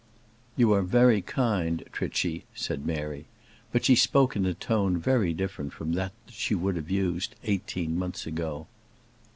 "You are very kind, Trichy," said Mary; but she spoke in a tone very different from that she would have used eighteen months ago.